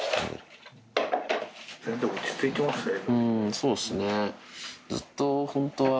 そうですね。